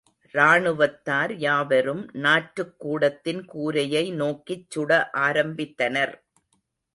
ராணுவத்தார் யாவரும் நாற்றுக் கூடத்தின் கூரையை நோக்கிச்சுட ஆரம்பித்தனர்.